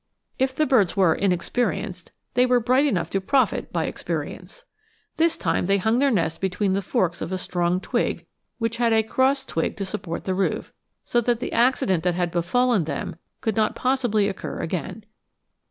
If the birds were inexperienced, they were bright enough to profit by experience. This time they hung their nest between the forks of a strong twig which had a cross twig to support the roof, so that the accident that had befallen them could not possibly occur again.